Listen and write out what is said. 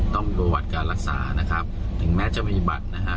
ต้องมีประวัติการรักษานะครับถึงแม้จะมีบัตรนะฮะ